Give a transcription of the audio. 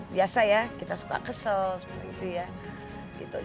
biasa ya kita suka kesel seperti itu ya